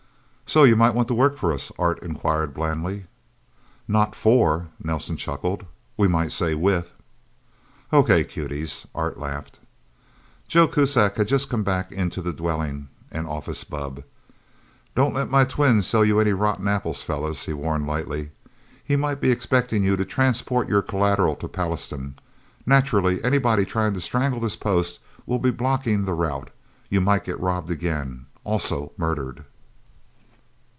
"So you might want to work for us?" Art inquired blandly. "Not 'for'," Nelsen chuckled. "We might say 'with'." "Okay, Cuties," Art laughed. Joe Kuzak had just come back into the dwelling and office bubb. "Don't let my twin sell you any rotten apples, fellas," he warned lightly. "He might be expecting you to transport your collateral to Pallastown. Naturally anybody trying to strangle this Post will be blocking the route. You might get robbed again. Also murdered."